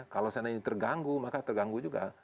kalau seandainya terganggu maka terganggu juga